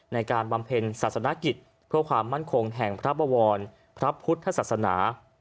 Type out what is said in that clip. บำเพ็ญศาสนกิจเพื่อความมั่นคงแห่งพระบวรพระพุทธศาสนา